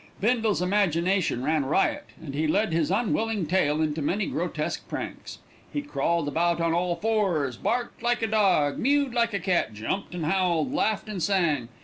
Bindle's imagination ran riot, and he led his unwilling tail into many grotesque pranks. He crawled about on all fours, barked like a dog, mewed like a cat, jumped and howled, laughed and sang.